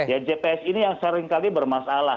ya jps ini yang seringkali bermasalah